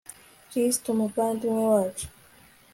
kristu muvandimwe wacu